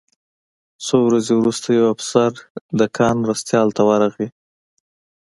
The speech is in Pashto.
څو ورځې وروسته یو افسر د کان مرستیال ته ورغی